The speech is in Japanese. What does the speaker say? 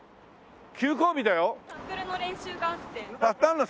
休校日だよ。